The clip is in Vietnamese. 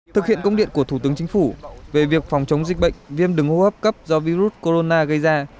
thực hiện công điện của thủ tướng chính phủ về việc phòng chống dịch bệnh viêm đường hô hấp cấp do virus corona gây ra